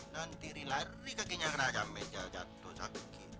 nanti riladi kakinya kena aja meja jatuh sakit